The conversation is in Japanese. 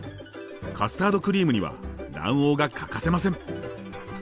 カスタードクリームには卵黄が欠かせません。